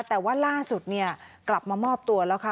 แต่ว่าล่าสุดเนี่ยกลับมามอบตัวแล้วค่ะ